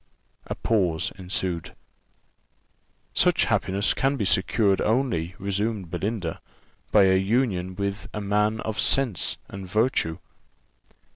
A pause ensued. "Such happiness can be secured only," resumed Belinda, "by a union with a man of sense and virtue."